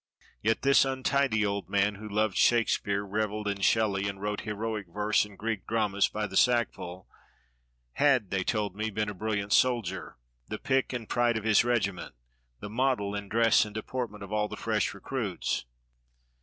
Yet this untidy old man, who loved Shakespeare, reveled in Shelley, and wrote heroic verse and Greek dramas by the sackful, had, they told me, been a brilliant soldier, the pick and pride of his regiment, the model in dress and deportment of all the fresh recruits.